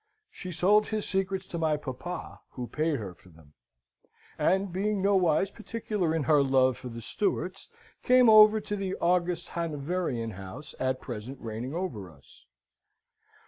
She sold his secrets to my papa, who paid her for them; and being nowise particular in her love for the Stuarts, came over to the august Hanoverian house at present reigning over us.